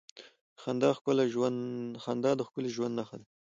• خندا د ښکلي ژوند نښه ده.